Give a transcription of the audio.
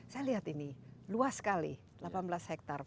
saya lihat ini luas sekali delapan belas hektare